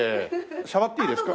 触っていいですか？